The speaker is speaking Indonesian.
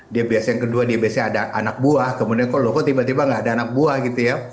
dia biasanya yang kedua dia biasanya ada anak buah kemudian kok loh kok tiba tiba gak ada anak buah gitu ya